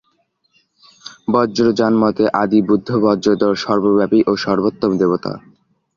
বজ্রযানমতে আদিবুদ্ধ বজ্রধর সর্বব্যাপী ও সর্বোত্তম দেবতা।